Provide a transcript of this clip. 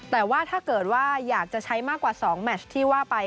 แต่ว่าถ้าเกิดว่าอยากจะใช้มากกว่า๒แมชที่ว่าไป